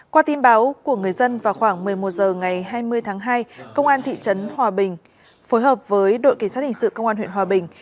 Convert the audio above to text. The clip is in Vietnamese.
qua tin báo của người dân vào khoảng một mươi một h ngày hai mươi tháng hai công an thị trấn hòa bình phối hợp với đội kỳ sát hình sự công an huyện hòa bình